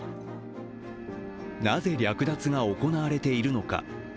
なぜ略奪が行われているのか。